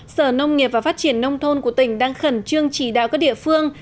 sở nông nghiệp và phát triển nông thôn của tỉnh đang khẩn trương chỉ đạo các địa phương